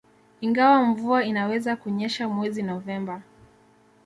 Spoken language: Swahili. Ingawa mvua inaweza kunyesha mwezi Novemba